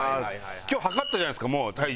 今日測ったじゃないですかもう体重。